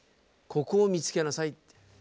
ここを見つけなさいって。